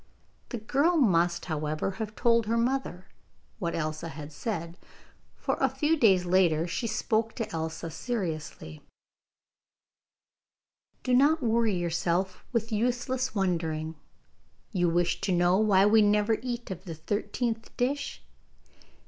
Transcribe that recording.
The girl must, however, have told her mother what Elsa had said, for a few days later she spoke to Elsa seriously: 'Do not worry yourself with useless wondering. You wish to know why we never eat of the thirteenth dish?